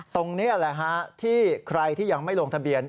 ตรงนี้แหละฮะที่ใครที่ยังไม่ลงทะเบียน